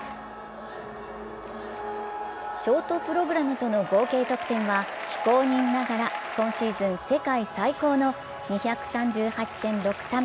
ショートプログラムとの合計得点は非公認ながら今シーズン世界最高の２３８．６３。